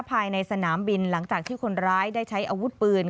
ภายในสนามบินหลังจากที่คนร้ายได้ใช้อาวุธปืน